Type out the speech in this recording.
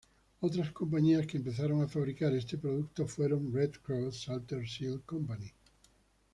Otras compañías que empezaron a fabricar este producto fueron Red Cross, Salter Sill Co.